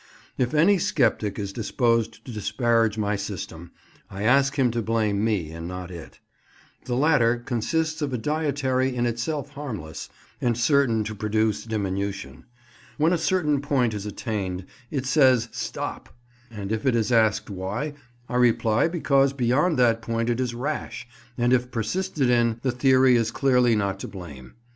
If any sceptic is disposed to disparage my system, I ask him to blame me and not it. The latter consists of a dietary in itself harmless, and certain to produce diminution. When a certain point is attained it says STOP; and if it is asked why, I reply because beyond that point it is rash, and if persisted in, the theory is clearly not to blame.